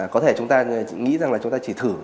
có thể chúng ta nghĩ rằng là chúng ta chỉ thử